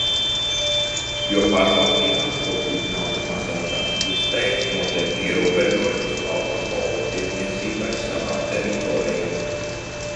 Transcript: Jo pašvaldībām šobrīd nav ne mazākās iespējas noteikt ierobežojumus alkohola tirdzniecībai savā teritorijā.